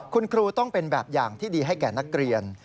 คุณครูต้องเป็นแบบอย่างที่ดีให้แก่นักเรียน